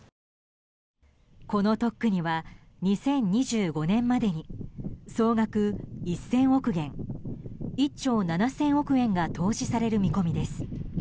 この特区には２０２５年までに総額１０００億元１兆７０００億円が投資される見込みです。